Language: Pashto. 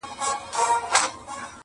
مکتب د میني محبت ومه زه،